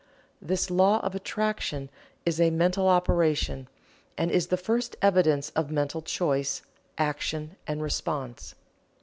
This law of attraction is a mental operation, and is the first evidence of mental choice, action and response.